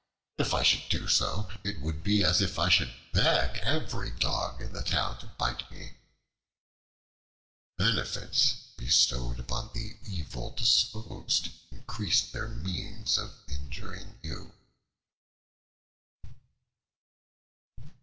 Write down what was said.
If I should do so, it would be as if I should beg every Dog in the town to bite me." Benefits bestowed upon the evil disposed increase their means of injuring you.